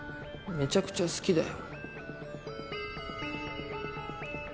めちゃくちゃ好きだよ。